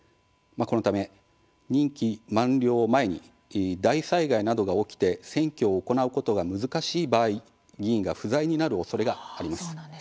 このため任期満了前に大災害などが起きて選挙を行うことが難しい場合議員が不在になる恐れがあります。